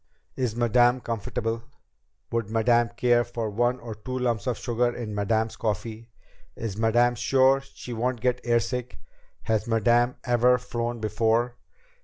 "Is Madame comfortable?" "Would Madame care for one or two lumps of sugar in Madame's coffee?" "Is Madame sure she won't get airsick?" "Has Madame ever flown before?"